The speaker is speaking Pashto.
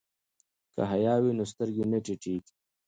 که حیا وي نو سترګې نه ټیټیږي.